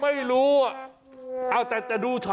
แบบนี้คือแบบนี้คือแบบนี้คือแบบนี้คือ